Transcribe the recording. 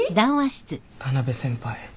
田辺先輩